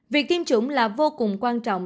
việc tiêm chủng là vô cùng quan trọng